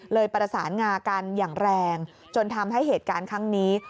ประสานงากันอย่างแรงจนทำให้เหตุการณ์ครั้งนี้